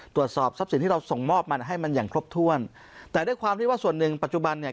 ตรวจสอบทรัพย์สินที่เราส่งมอบมันให้มันอย่างครบถ้วนแต่ด้วยความที่ว่าส่วนหนึ่งปัจจุบันเนี่ย